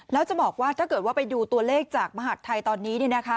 แล้วจะบอกว่าถ้าเกิดว่าไปดูตัวเลขจากมหาดไทยตอนนี้